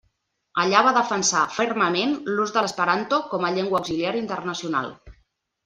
Allà va defensar fermament l'ús de l'esperanto com a llengua auxiliar internacional.